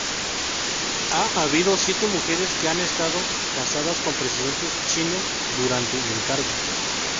Ha habido siete mujeres que han estado casadas con presidentes chinos durante el cargo.